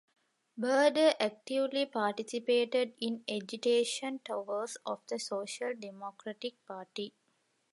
Baader actively participated in agitation tours of the Social Democratic Party.